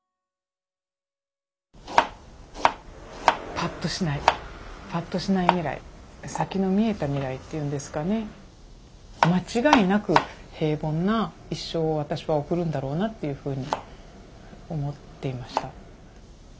ぱっとしないぱっとしない未来先の見えた未来っていうんですかね間違いなく平凡な一生を私は送るんだろうなっていうふうに思っていました。